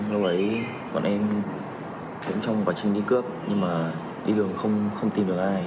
lúc ấy bọn em cũng trong quá trình đi cướp nhưng mà đi đường không tìm được ai